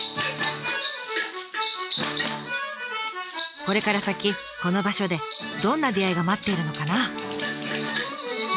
これから先この場所でどんな出会いが待っているのかな？